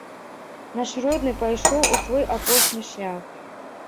Наш родны пайшоў у свой апошні шлях.